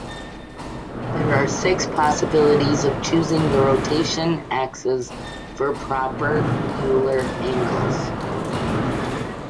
There are six possibilities of choosing the rotation axes for proper Euler angles.